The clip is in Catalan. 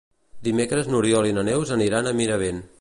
Dimecres n'Oriol i na Neus aniran a Miravet.